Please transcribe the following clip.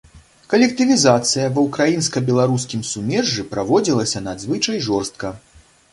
Калектывізацыя ва ўкраінска-беларускім сумежжы праводзілася надзвычай жорстка.